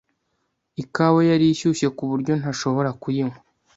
Ikawa yari ishyushye kuburyo ntashobora kuyinywa.